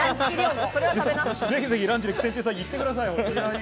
ぜひぜひランチで喜扇亭さん、行ってください。